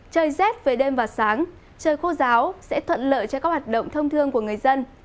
trời rét về đêm và sáng trời khô giáo sẽ thuận lợi cho các hoạt động thông thương của người dân